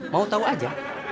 mau tau aja